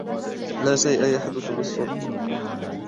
لا شيء يحدث بالصدفة.